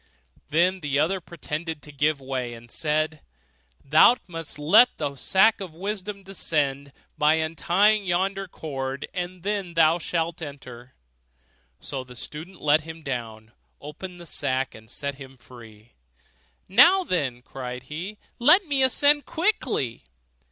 Then the other pretended to give way, and said, 'Thou must let the sack of wisdom descend, by untying yonder cord, and then thou shalt enter.' So the student let him down, opened the sack, and set him free. 'Now then,' cried he, 'let me ascend quickly.